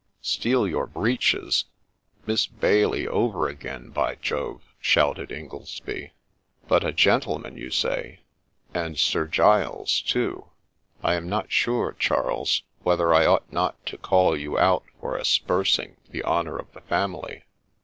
' Steal your breeches ! Miss Bailey over again, by Jove,' shouted Ingoldsby. ' But a gentleman, you say, — and Sir Giles too. I am not sure, Charles, whether I ought not to call you out for aspersing the honour of the family.'